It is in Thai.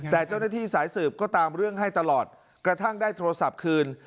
แต่เจ้าหน้าที่สายสืบก็ตามเรื่องให้ตลอดกระทั่งได้โทรศัพท์คืน